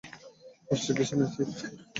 কষ্টের কিছু নেই, চিফ।